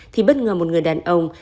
thì bất ngờ một người đàn ông